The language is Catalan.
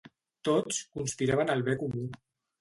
Tots conspiraven al bé comú.